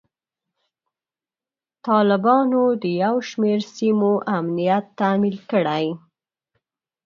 طالبانو د یو شمیر سیمو امنیت تامین کړی.